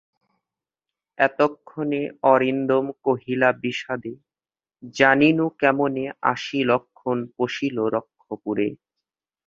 দর্শনা জংশন-খুলনা লাইনের শাখা লাইন হিসেবে এই রেলপথটি তৈরি করা হচ্ছে।